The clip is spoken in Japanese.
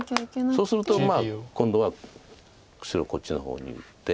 そうするとまあ今度は白こっちの方に打って。